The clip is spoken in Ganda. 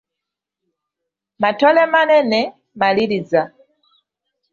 Matole manene, maliriza.